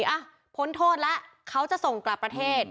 อ่ะพ้นโทษแล้วเขาจะส่งกลับประเทศ